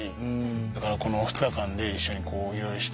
だからこの２日間で一緒にいろいろして。